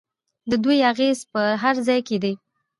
د دوی اغیز په هر ځای کې دی.